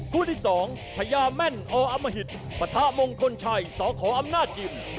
คู่ที่๒พญาแม่นออมหิตปะทะมงคลชัยสขออำนาจยิม